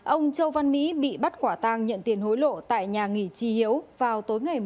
ông châu văn mỹ bị bắt quả tang nhận tiền hối lộ tại nhà nghỉ tri hiếu vào tối ngày một mươi một tháng một mươi một